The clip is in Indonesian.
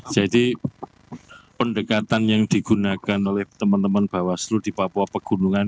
jadi pendekatan yang digunakan oleh teman teman bawaslu di papua pegunungan